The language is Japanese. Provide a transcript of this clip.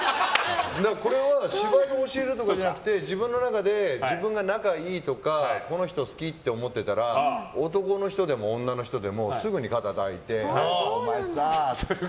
これは芝居を教えるとかじゃなくて自分の中で、自分が仲いいとかこの人好きって思ってたら男の人でも女の人でもすぐに肩を抱いてお前さって。